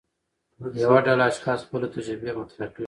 یوه ډله اشخاص خپلې تجربې مطرح کوي.